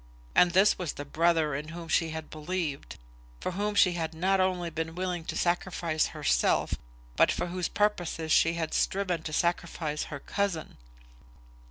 And this was the brother in whom she had believed; for whom she had not only been willing to sacrifice herself, but for whose purposes she had striven to sacrifice her cousin!